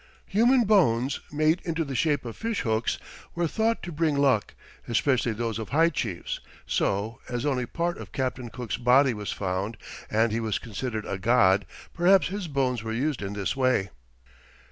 Human bones made into the shape of fish hooks were thought to bring luck, especially those of high chiefs, so, as only part of Captain Cook's body was found and he was considered a god, perhaps his bones were used in this way.